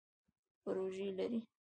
پروژی لرئ؟